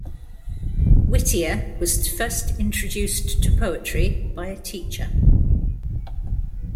Whittier was first introduced to poetry by a teacher.